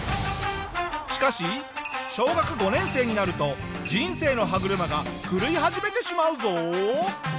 しかし小学５年生になると人生の歯車が狂い始めてしまうぞ。